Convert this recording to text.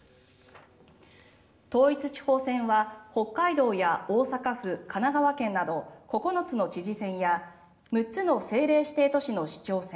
統一地方選は北海道や大阪府、神奈川県など９つの知事選や６つの政令指定都市の市長選